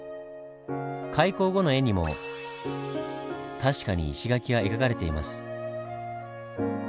開港後の絵にも確かに石垣が描かれています。